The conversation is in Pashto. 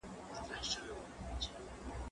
زه اوس سفر کوم،